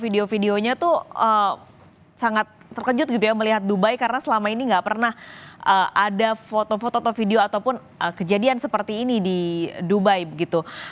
video videonya tuh sangat terkejut gitu ya melihat dubai karena selama ini nggak pernah ada foto foto atau video ataupun kejadian seperti ini di dubai begitu